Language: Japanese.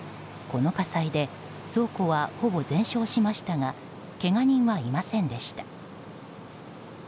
この火災で倉庫は、ほぼ全焼しましたがけが人はいませんでした。